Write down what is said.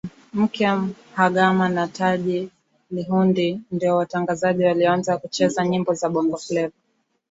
Mike mhagama na taji lihundi ndio watangazaji walioanza kucheza nyimbo za bongofleva